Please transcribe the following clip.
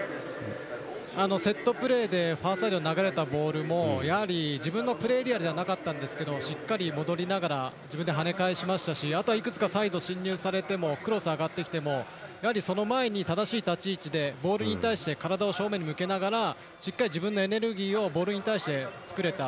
セットプレーでやはり自分のプレーエリアではなかったんですけどしっかり戻りながら自分ではね返しましたしあとはいくつかサイド、進入されてもその前に正しい立ち位置でボールに対して体を正面に向けながらしっかり自分のエネルギーをボールに対して作れた。